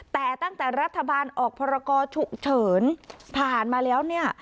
แต่ตั้งแต่รัฐบาลออกพรกรฉุกเฉินผ่านมาแล้วเนี่ย